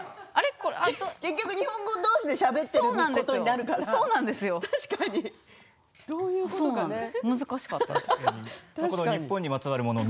結局、日本語同士でしゃべってることになるから難しかったです。